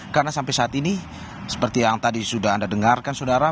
karena sampai saat ini seperti yang tadi sudah anda dengarkan saudara